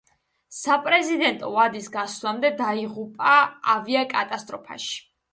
საპრეზიდენტო ვადის გასვლამდე დაიღუპა ავიაკატასტროფაში.